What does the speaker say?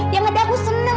yang ngetik aku seneng